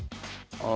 ああ！